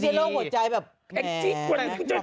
เธอไม่ใช่โรคหัวใจแบบ